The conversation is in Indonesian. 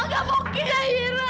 nggak mungkin zaira